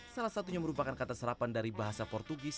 salah satunya merupakan kata serapan dari bahasa portugis